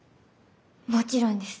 もちろんです。